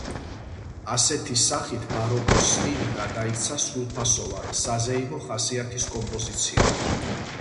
ასეთი სახით ბაროკოს სტილი გადაიქცა სრულფასოვან, საზეიმო ხასიათის კომპოზიციად.